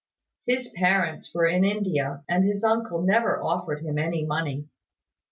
His parents were in India, and his uncle never offered him any money.